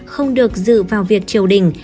không được dự vào việc triều đình